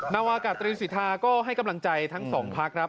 นาวาอากาศตรีศิษภาก็ให้กำลังใจทั้งสองภาค